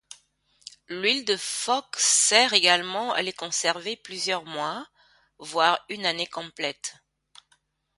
L'huile de phoque sert également à les conserver plusieurs mois, voire une année complète.